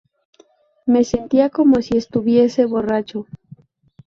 Me sentía como si estuviese borracho.